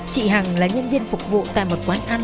chị hằng là nhân viên phục vụ tại một quán ăn ở hà nội